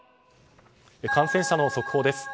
感染者の速報です。